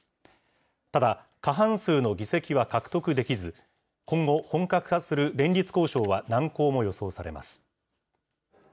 ただ、過半数の議席は獲得できず、今後、本格化する連立交渉は難航も予想されます。